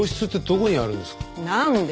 なんで？